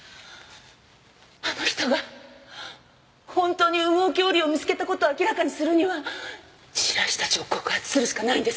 あの人が本当に羽毛恐竜を見つけた事を明らかにするには白石たちを告発するしかないんです。